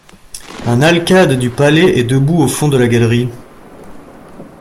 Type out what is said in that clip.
Un alcade du palais est debout au fond de la galerie.